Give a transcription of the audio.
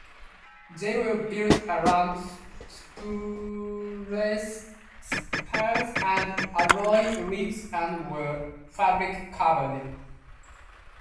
They were built around spruce spars and alloy ribs and were fabric covered.